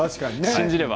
信じれば。